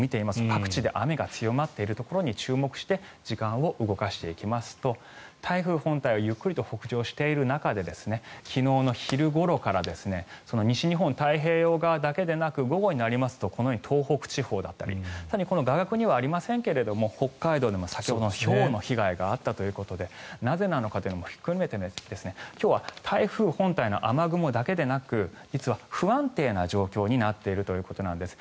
各地で雨が強まっているところに注目して時間を動かしていきますと台風本体はゆっくりと北上している中で昨日の昼ごろから西日本太平洋側だけでなく午後になりますとこのように東北地方だったり更に、この画角はありませんが北海道でも先ほどひょうの被害があったということでなぜなのかというのも含めて今日は台風本体の雨雲だけでなく実は不安定な状況になっているということなんです。